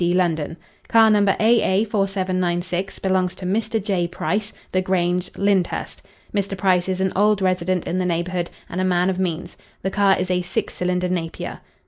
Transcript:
D., London. "Car No. A.A. 4796 belongs to Mr. J. Price, The Grange, Lyndhurst. Mr. Price is an old resident in the neighbourhood and a man of means. The car is a six cylinder Napier."